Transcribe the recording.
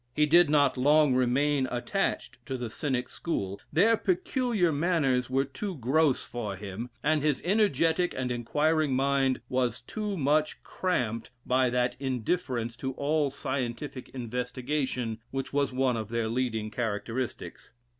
He did not long remain attached to the Cynic school their peculiar manners were too gross for him; and his energetic and inquiring mind was too much cramped by that indifference to all scientific investigation which was one of their leading characteristics.